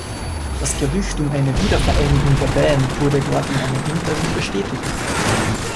Das Gerücht um eine Wiedervereinigung der Band wurde dort in einem Interview bestätigt.